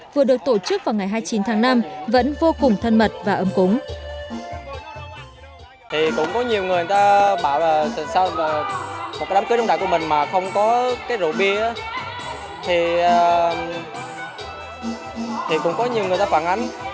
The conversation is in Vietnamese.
vừa được tổ chức vào ngày hai mươi chín tháng năm vẫn vô cùng thân mật và âm cúng